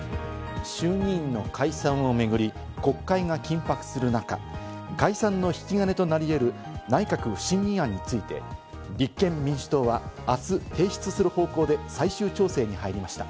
衆議院の解散を巡り、国会が緊迫する中、解散の引き金となり得る内閣不信任案について、立憲民主党は明日、提出する方向で最終調整に入りました。